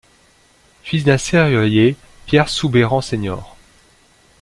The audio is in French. Fils d’un serrurier Pierre Soubeyran sen.